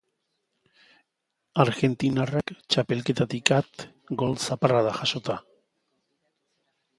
Argentinarrak, txapelketatik at gol-zaparrada jasota.